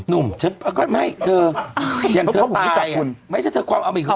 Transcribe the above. หนุ่มฉันไม่เธออ้าวอย่างเธอตายอ่ะไม่ใช่เธอความเอามาอีกคือ